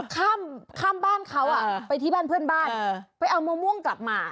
ข้ามบ้านเขาไปที่บ้านเพื่อนบ้านไปเอามะม่วงกลับมา